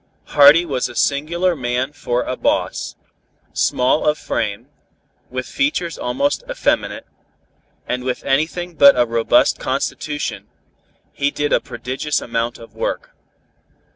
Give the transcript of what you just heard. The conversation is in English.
Hardy was a singular man for a boss; small of frame, with features almost effeminate, and with anything but a robust constitution, he did a prodigious amount of work.